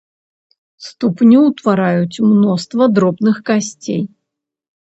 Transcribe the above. Ступню ўтвараюць мноства дробных касцей.